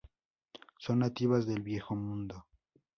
Son nativas del Viejo Mundo.